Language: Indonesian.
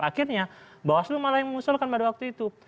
akhirnya bawaslu malah yang mengusulkan pada waktu itu